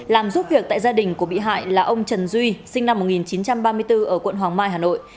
làm giúp việc tại gia đình của bị hại là ông trần duy sinh năm một nghìn chín trăm ba mươi bốn ở quận hoàng mai hà nội